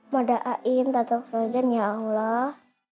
mau da'ain tata kerajan ya allah